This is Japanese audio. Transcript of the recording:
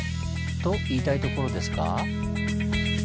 と言いたいところですが。